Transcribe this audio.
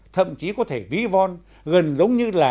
thậm chí có thể ví von gần giống như là